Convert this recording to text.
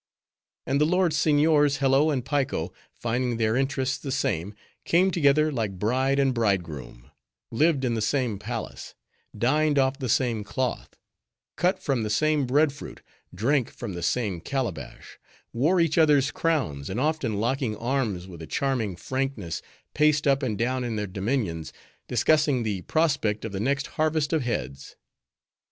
And the lord seigniors, Hello and Piko, finding their interests the same, came together like bride and bridegroom; lived in the same palace; dined off the same cloth; cut from the same bread fruit; drank from the same calabash; wore each other's crowns; and often locking arms with a charming frankness, paced up and down in their dominions, discussing the prospect of the next harvest of heads.